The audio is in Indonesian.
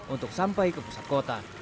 untuk sampai ke pusat kota